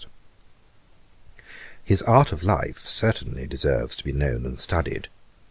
'His art of life certainly deserves to be known and studied.